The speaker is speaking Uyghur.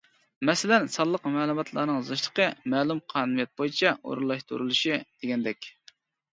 مەسىلەن سانلىق مەلۇماتلارنىڭ زىچلىقى، مەلۇم قانۇنىيەت بويىچە ئورۇنلاشتۇرۇلۇشى. دېگەندەك.